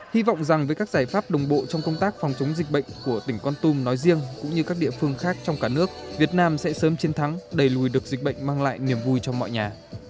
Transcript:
hy vọng rằng với các giải pháp đồng bộ trong công tác phòng chống dịch bệnh của tỉnh con tum nói riêng cũng như các địa phương khác trong cả nước việt nam sẽ sớm chiến thắng đầy lùi được dịch bệnh mang lại niềm vui cho mọi nhà